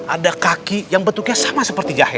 ada kaki yang bentuknya sama seperti jahe